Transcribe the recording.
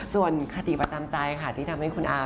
ส่วนคติประจำใจที่ทำให้อา